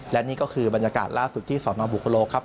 และนี่ก็คือบรรยากาศล่าสุดที่สนบุคโลครับ